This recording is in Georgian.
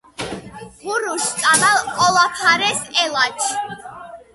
ღურუშ წამალ ოლაფარეს ელაჩ